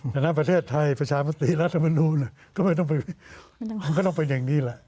ดังนั้นประเทศไทยประชามาสติรสมนุมก็ไม่ต้องไปยังนี้